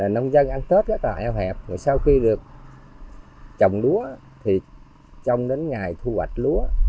nông dân ăn tết rất là eo hẹp rồi sau khi được trồng lúa thì trong đến ngày thu hoạch lúa